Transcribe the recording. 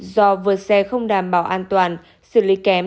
do vượt xe không đảm bảo an toàn xử lý kém